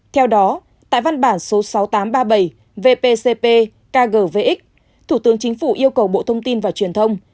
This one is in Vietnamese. theo đó tại văn bản số sáu nghìn tám trăm ba mươi bảy vpcp kgvx thủ tướng chính phủ yêu cầu bộ thông tin và truyền thông